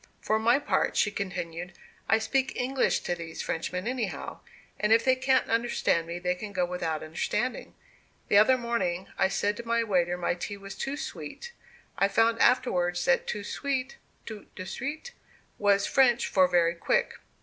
For my part," she continued, "I speak English to these Frenchmen anyhow, and if they can't understand me they can go without understanding. The other morning, I told the waiter my tea was too sweet. I found afterwards that too sweet (toute de suite) was French for 'very quick.